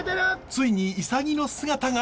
ついにイサギの姿が！